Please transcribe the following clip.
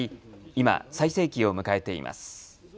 今、最盛期を迎えています。